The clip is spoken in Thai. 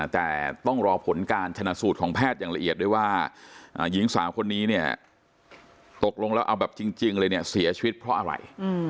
แต่ต้องรอผลการชนะสูตรของแพทย์อย่างละเอียดด้วยว่าหญิงสาวคนนี้เนี่ยตกลงแล้วเอาแบบจริงเลยเนี่ยเสียชีวิตเพราะอะไร